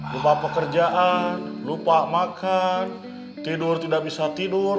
lupa pekerjaan lupa makan tidur tidak bisa tidur